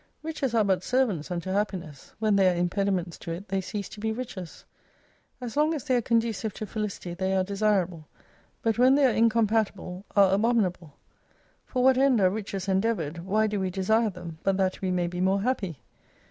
Riches are but servants unto happi ness ; when they are impediments to it they cease to be riches. As long as they are conducive to Felicity they are desirable ; but when they are incompatible are abominable. For what end are riches endeavoured, why do we desire them, but that we may be more happy